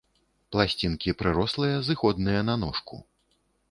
Пласцінкі прырослыя, зыходныя на ножку.